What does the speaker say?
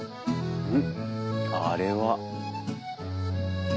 うん？